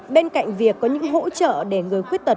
bên cạnh việc có những hỗ trợ để người khuyết tật